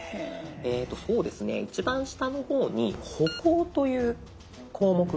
えとそうですね一番下の方に「歩行」という項目がありますので。